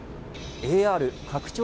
ＡＲ拡張